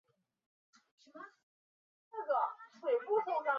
光泽布纹螺为布纹螺科布纹螺属下的一个种。